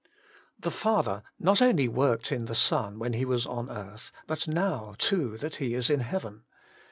, 2. The Father not only worked in the Son when He was on earth, but now, too, that He is in heaven.